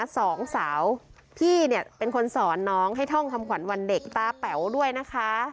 สองสาวพี่เนี่ยเป็นคนสอนน้องให้ท่องคำขวัญวันเด็กตาแป๋วด้วยนะคะ